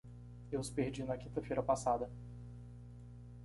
Eu os perdi na quinta-feira passada.